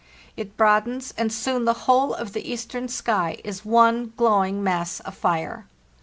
It broadens, and soon the whole of the eastern sky is one glowing mass of fire.